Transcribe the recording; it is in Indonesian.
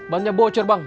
bannya bocor bang